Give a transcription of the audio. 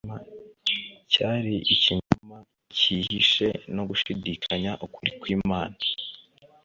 Cyari ikinyoma cyihishe, no gushidikanya ukuri kw'Imana.